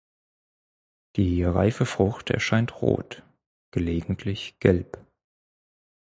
Die reife Frucht erscheint rot, gelegentlich gelb.